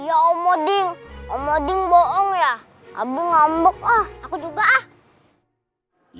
ampun ngambek ah aku juga ah